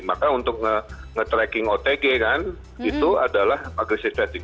maka untuk nge tracking otg kan itu adalah agresif testing